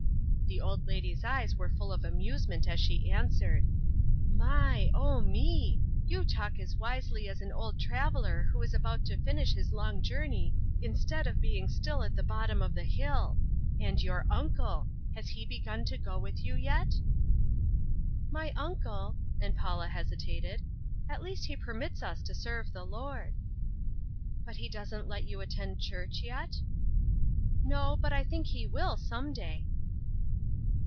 The old lady's eyes were full of amusement as she answered, "My, oh, me! You talk as wisely as an old traveler who is about to finish his long journey instead of being still at the bottom of the hill. And your uncle! Has he begun to go with you yet?" "My uncle," and Paula hesitated, "at least he permits us to serve the Lord." "But he doesn't let you attend church yet?" "No, but I think he will some day."